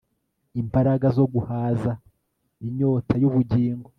Imbaraga zo guhaza inyota yubugingo